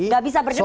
gak bisa berdebat